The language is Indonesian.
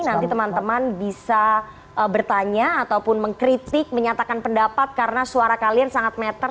nanti teman teman bisa bertanya ataupun mengkritik menyatakan pendapat karena suara kalian sangat meter